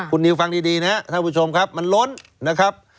คุณนิวฟังดีนะครับท่านผู้ชมครับมันล้นนะครับ